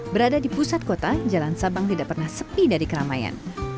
berada di pusat kota jalan sabang tidak pernah sepi dari keramaian